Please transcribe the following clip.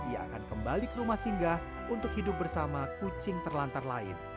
ia akan kembali ke rumah singgah untuk hidup bersama kucing terlantar lain